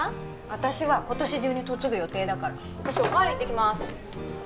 私は今年中に嫁ぐ予定だから私おかわり行ってきまーす